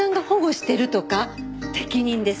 適任です。